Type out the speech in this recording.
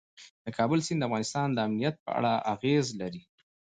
د کابل سیند د افغانستان د امنیت په اړه اغېز لري.